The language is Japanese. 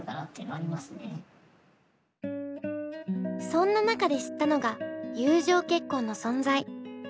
そんな中で知ったのが友情結婚の存在。